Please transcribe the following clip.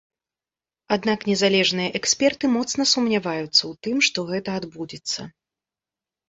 Аднак незалежныя эксперты моцна сумняваюцца ў тым, што гэта адбудзецца.